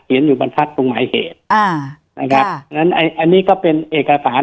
เปลี่ยนอยู่บรรพัฒน์ตรงหมายเหตุอ่านะครับอันนี้ก็เป็นเอกสาร